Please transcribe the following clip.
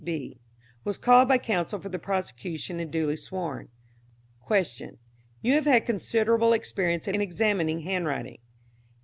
D. B was called by counsel for the prosecution and duly sworn. Q. You have had considerable experience in examining handwriting.